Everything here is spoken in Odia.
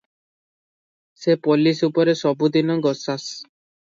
ସେ ପୋଲିଶ ଉପରେ ସବୁଦିନ ଗୋସସା